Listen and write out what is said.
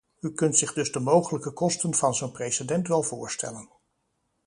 U kunt zich dus de mogelijke kosten van zo'n precedent wel voorstellen.